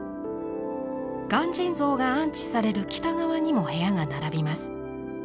鑑真像が安置される北側にも部屋が並びます。